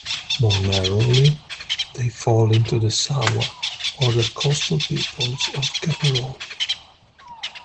More narrowly, they fall into the Sawa, or the coastal peoples of Cameroon.